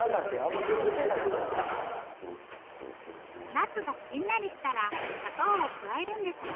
ナスがしんなりしたら砂糖を加えるんですが。